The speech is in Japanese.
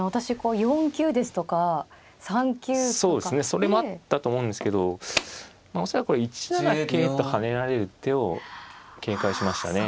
それもあったと思うんですけど恐らくこれ１七桂と跳ねられる手を警戒しましたね。